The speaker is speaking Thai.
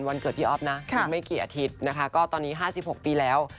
วันเกิดพี่อ๊อฟนะอีกไม่กี่อาทิตย์นะคะก็ตอนนี้๕๖ปีแล้ว